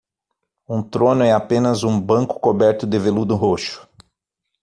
Um trono é apenas um banco coberto de veludo roxo.